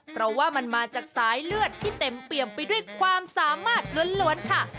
เพราะว่ามันมาจากสายเลือดที่เต็มเปี่ยมไปด้วยความสามารถล้วนค่ะ